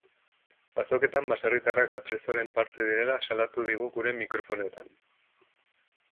Azoketan baserritarrak atrezzoaren parte direla salatu digu gure mikrofonoetan.